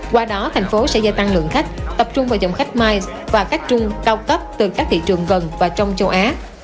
qua đó thành phố sẽ giai tăng lượng khách tập trung vào dòng khách mais và khách trung cao cấp từ các thị trường gần và trong châu á